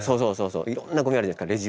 そういろんなごみあるじゃないですか